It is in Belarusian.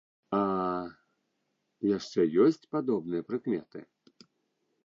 А яшчэ ёсць падобныя прыкметы?